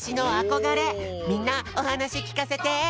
みんなおはなしきかせて！